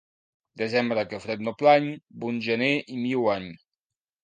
Desembre que fred no plany, bon gener i millor any.